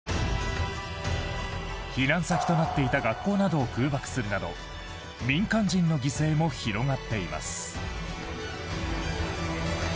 避難先となっていた学校などを空爆するなど民間人の犠牲も広がっています。